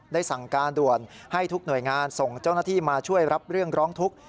สั่งการด่วนให้ทุกหน่วยงานส่งเจ้าหน้าที่มาช่วยรับเรื่องร้องทุกข์